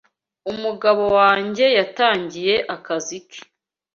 Umugabo wanjye yatangiye akazi ke